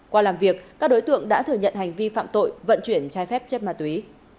qua làm việc các đối tượng đã thừa nhận hành vi phạm tội vận chuyển trái phép chất ma túy